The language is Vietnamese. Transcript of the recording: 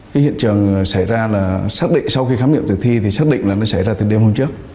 cái hiện trường xảy ra là xác định sau khi khám nghiệm tử thi thì xác định là nó xảy ra từ đêm hôm trước